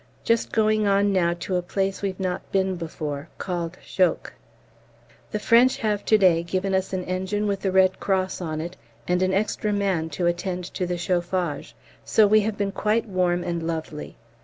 Just going on now to a place we've not been to before, called Chocques. The French have to day given us an engine with the Red Cross on it and an extra man to attend to the chauffage, so we have been quite warm and lovely.